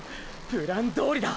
プランどおりだ！！